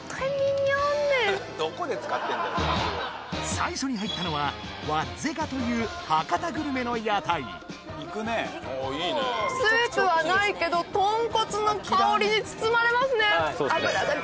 最初に入ったのはわっぜかという博多グルメの屋台スープはないけど豚骨の香りに包まれますね！